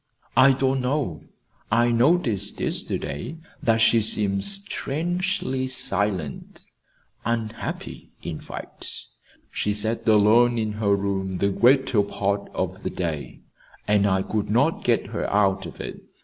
"I don't know. I noticed yesterday that she seemed strangely silent unhappy, in fact. She sat alone in her room the greater part of the day, and I could not get her out of it.